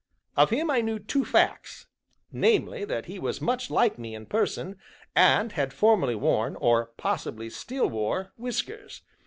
Of him I knew two facts namely, that he was much like me in person, and had formerly worn, or possibly still wore, whiskers.